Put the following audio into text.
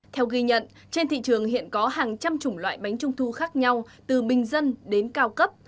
theo ghi nhận trên thị trường hiện có hàng trăm chủng loại bánh trung thu khác nhau từ bình dân đến cao cấp